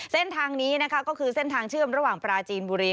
เส้นทางนี้นะคะก็คือเส้นทางเชื่อมระหว่างปราจีนบุรี